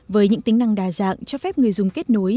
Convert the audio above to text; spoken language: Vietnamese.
với những tính năng đa dạng cho phép người dùng kết nối